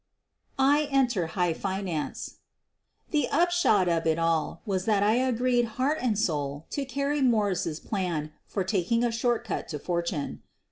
I ENTEB "HIGH FINANCE* 1 The upshot of it all was that I agreed heart and soul to Carrie Morse's plans for taking a short cut to fortune.